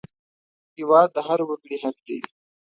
هېواد د هر وګړي حق دی